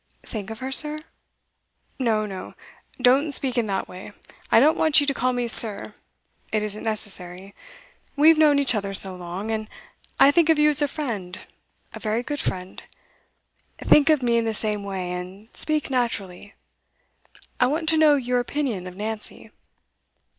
'Think of her, sir?' 'No, no don't speak in that way. I don't want you to call me 'sir'; it isn't necessary; we've known each other so long, and I think of you as a friend, a very good friend. Think of me in the same way, and speak naturally. I want to know your opinion of Nancy.